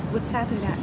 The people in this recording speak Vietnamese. vượt xa thời gian